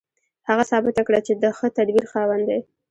هغه ثابته کړه چې د ښه تدبیر خاوند دی